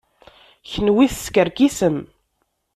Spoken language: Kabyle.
Kenwi teskerkisem.